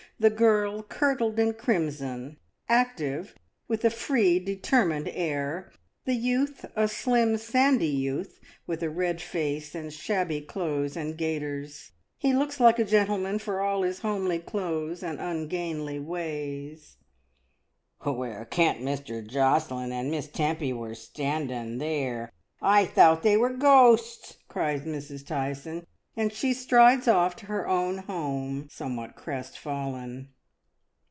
The girl kirtled in crimson, active, with a free, determined air; the youth, a slim sandy youth, with a red face and shabby clothes and gaiters. He looks like a gentleman, for all his homely clothes and imgainly ways. "Whoever ken't Mr. Josselin and Miss Tempy were stan'nin thear! I thowt they were goasts," cries Mrs. Tyson, and she strides off to her own home somewhat crestfallen.